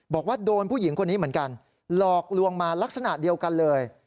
บอกว่าโดนผู้หญิงคนนี้เหมือนกันหลอกลวงมาลักษณะเดียวกันเลย